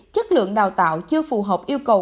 chất lượng đào tạo chưa phù hợp yêu cầu